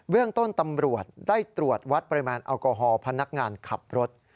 เรื่องต้นตำรวจได้ตรวจวัดปริมาณแอลกอฮอล์พนักงานขับรถ